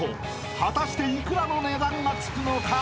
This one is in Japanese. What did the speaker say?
［果たして幾らの値段がつくのか？］